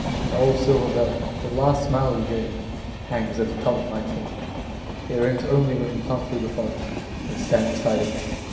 An old silver bell, the last smile you gave, Hangs at the top of my church.It rings only when you come through the forestAnd stand beside it.